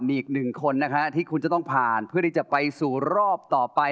มีอีกหนึ่งคนนะฮะที่คุณจะต้องผ่านเพื่อที่จะไปสู่รอบต่อไป